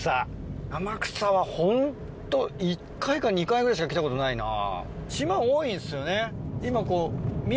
天草はホント１回か２回ぐらいしか来たことないな。